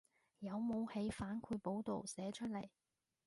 有冇喺反饋簿度寫出來